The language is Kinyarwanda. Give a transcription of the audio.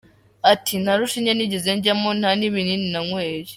Ati “Nta rushinge nigeze njyamo, nta n’ibinini nanyweye.